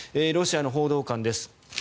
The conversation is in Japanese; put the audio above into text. ロシアの報道官です。